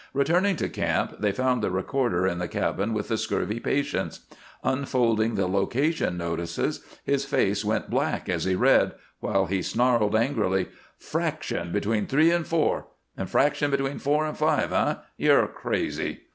Returning to camp, they found the recorder in the cabin with the scurvy patients. Unfolding the location notices, his face went black as he read, while he snarled, angrily: "'Fraction between Three and Four' and 'Fraction between Four and Five,' eh? You're crazy."